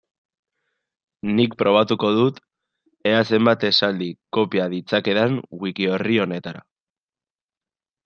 Nik probatuko dut ea zenbat esaldi kopia ditzakedan wiki-orri honetara.